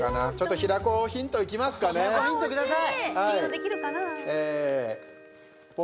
平子ヒントください！